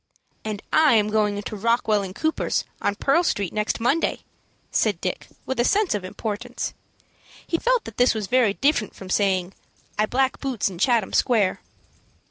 "And I am going into Rockwell & Cooper's, on Pearl Street, next Monday," said Dick, with a sense of importance. He felt that this was very different from saying, "I black boots in Chatham Square."